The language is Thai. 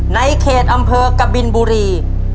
ในเขตอำเภอกบินบุรี